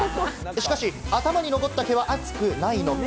しかし頭に残った毛は暑くないのか？